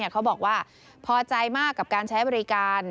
เขาบอกว่าพอใจมากกับการใช้บริการ